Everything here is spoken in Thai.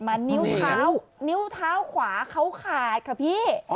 มานิ้วเท้าขวาเขาขาดค่ะพี่